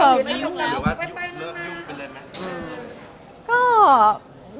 หรือว่าเลิกไม่ยุ่งเป็นไรไหม